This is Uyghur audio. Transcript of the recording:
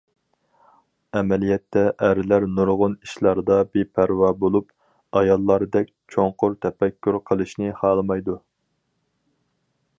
ئەمەلىيەتتە ئەرلەر نۇرغۇن ئىشلاردا بىپەرۋا بولۇپ، ئاياللاردەك چوڭقۇر تەپەككۇر قىلىشنى خالىمايدۇ.